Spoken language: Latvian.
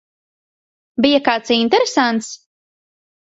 Bija kāds interesants?